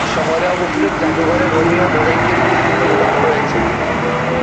শহরে অবস্থিত একটা জাদুঘরে রোমীয় মোজাইকের কিছু সুন্দর উদাহরণ রয়েছে।